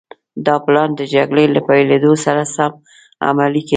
دا پلان د جګړې له پيلېدو سره سم عملي کېده.